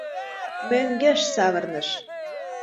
Мӧҥгеш савырныш.